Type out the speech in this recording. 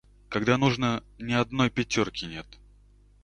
Когда нужно, ни одной пятёрки нет.